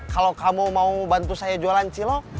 kalau kamu mau bantu saya jualan cilok